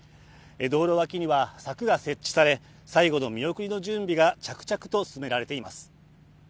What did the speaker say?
道路脇には柵が設置され、最後の見送りの準備が着々と進められています。